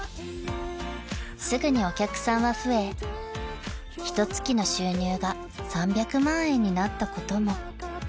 ［すぐにお客さんは増えひと月の収入が３００万円になったことも］